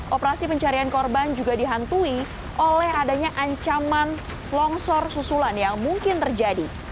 operasi pencarian korban juga dihantui oleh adanya ancaman longsor susulan yang mungkin terjadi